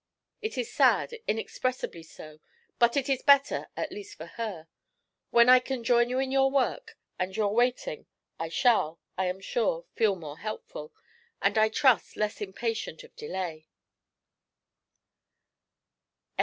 It is sad, inexpressibly so, but it is better, at least for her. When I can join you in your work, and your waiting, I shall, I am sure, feel more hopeful, and I trust less impatient of delay.'